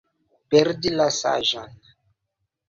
Perdi la saĝon.